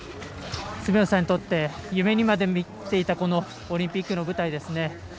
住吉さんにとって夢にまで見ていたオリンピックの舞台ですね。